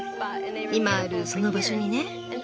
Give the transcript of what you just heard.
今あるその場所にね。